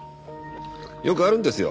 よくあるんですよ